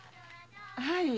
はい。